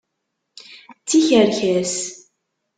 D tikerkas!